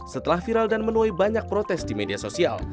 setelah viral dan menuai banyak protes di media sosial